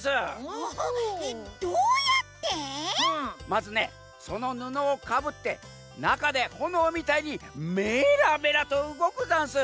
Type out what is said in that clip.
まずねそのぬのをかぶってなかでほのおみたいにメラメラとうごくざんす。